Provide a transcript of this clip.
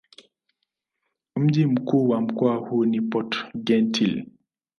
Mji mkuu wa mkoa huu ni Port-Gentil.